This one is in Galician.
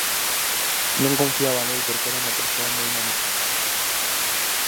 Non confiaba nel porque era unha persoa moi manipulable.